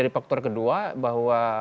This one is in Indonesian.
faktor kedua bahwa